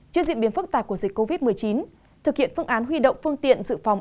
trước diễn biến phức tạp của dịch covid một mươi chín thực hiện phương án huy động phương tiện dự phòng